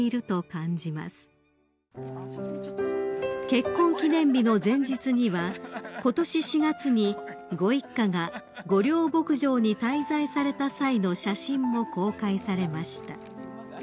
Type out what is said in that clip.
［結婚記念日の前日にはことし４月にご一家が御料牧場に滞在された際の写真も公開されました］